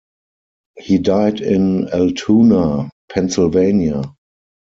He died in Altoona, Pennsylvania.